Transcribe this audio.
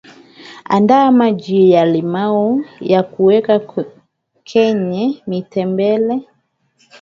andaa Maji ya limao yakuweka kenye mtembele